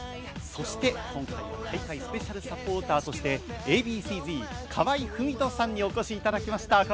そして今回の大会スペシャルサポーターとしてＡ．Ｂ．Ｃ−Ｚ、河合郁人さんにお越しいただきました。